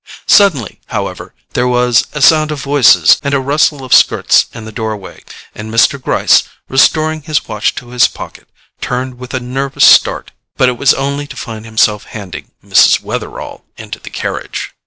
Suddenly, however, there was a sound of voices and a rustle of skirts in the doorway, and Mr. Gryce, restoring his watch to his pocket, turned with a nervous start; but it was only to find himself handing Mrs. Wetherall into the carriage.